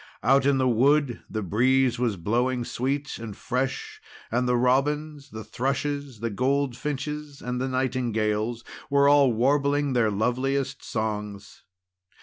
Out in the wood the breeze was blowing sweet and fresh, and the robins, the thrushes, the goldfinches, and the nightingales, were all warbling their loveliest songs.